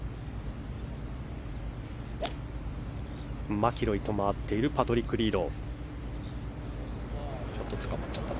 マキロイと回っているパトリック・リード。